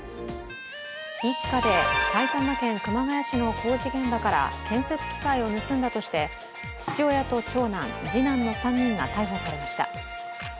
一家で埼玉県熊谷市の工事現場から建設機械を盗んだとして父親と長男、次男の３人が逮捕されました。